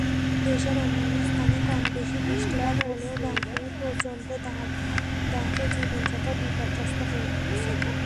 দেশের অন্যান্য স্থানে কমবেশি বৃষ্টিপাত হলেও রংপুরে প্রচণ্ড দাবদাহে জীবনযাত্রা বিপর্যস্ত হয়ে পড়েছে।